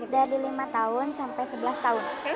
dari lima tahun sampai sebelas tahun